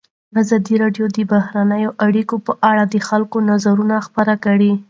ازادي راډیو د بهرنۍ اړیکې په اړه د خلکو نظرونه خپاره کړي.